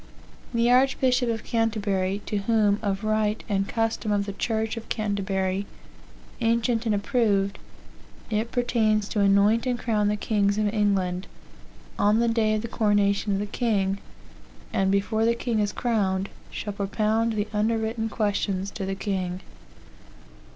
(The Archbishop of Canterbury, to whom, of right and custom of the Church of Canterbury, ancient and approved, it pertains to anoint and crown the kings of England, on the day of the coronation of the king, and before the king is crowned, shall propound the underwritten questions to the king.)